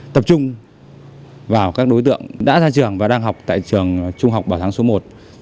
tập trung vào các đối tượng đã ra trường và đang học tại trường trung học bảo thắng số một